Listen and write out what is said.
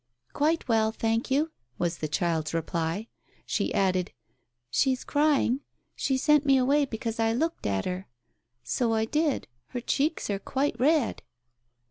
"Quite well, thank you," was the child's reply. She added, "She's crying. She sent me away because I looked at her. So I did. Her cheeks are quite red."